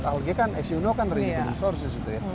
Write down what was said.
alge kan as you know kan renewable sources gitu ya